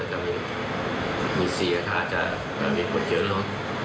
ก็จะมีเสียค่ะจะมีผลเชียร์ล้ม